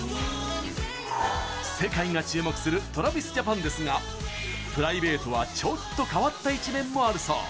世界が注目するＴｒａｖｉｓＪａｐａｎですがプライベートはちょっと変わった一面もあるそう。